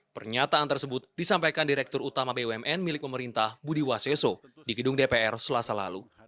pernyataan tersebut disampaikan direktur utama bumn milik pemerintah budi waseso di gedung dpr selasa lalu